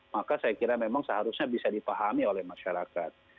maka saya kira memang seharusnya bisa dipahami oleh masyarakat